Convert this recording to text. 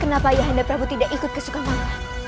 kenapa ayahanda prabu tidak ikut ke sukamona